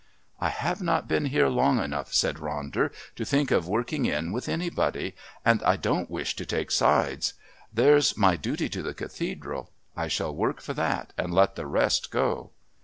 "I have not been here long enough," said Ronder, "to think of working in with anybody. And I don't wish to take sides. There's my duty to the Cathedral. I shall work for that and let the rest go."